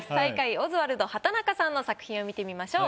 オズワルド畠中さんの作品を見てみましょう。